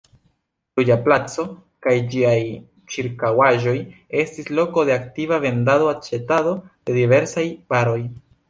Ruĝa placo kaj ĝiaj ĉirkaŭaĵoj estis loko de aktiva vendado-aĉetado de diversaj varoj.